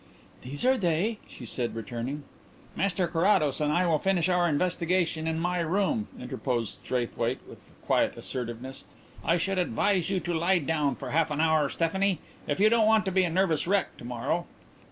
"These are they," she said, returning. "Mr Carrados and I will finish our investigation in my room," interposed Straithwaite, with quiet assertiveness. "I should advise you to lie down for half an hour, Stephanie, if you don't want to be a nervous wreck to morrow."